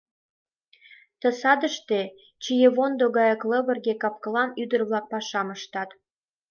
Ты садыште чиевондо гаяк лывырге капкылан ӱдыр-влак пашам ыштат.